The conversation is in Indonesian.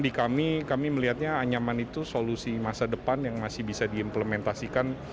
di kami kami melihatnya anyaman itu solusi masa depan yang masih bisa diimplementasikan